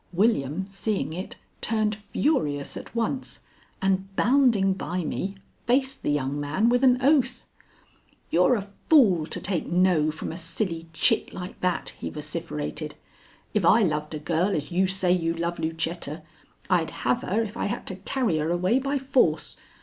William, seeing it, turned furious at once, and, bounding by me, faced the young man with an oath. "You're a fool to take no from a silly chit like that," he vociferated. "If I loved a girl as you say you love Lucetta, I'd have her if I had to carry her away by force.